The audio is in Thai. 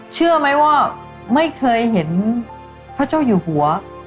เชื่อไหมว่าไม่เคยเห็นพระเจ้าอยู่หัว